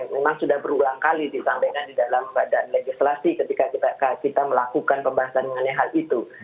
memang sudah berulang kali disampaikan di dalam badan legislasi ketika kita melakukan pembahasan mengenai hal itu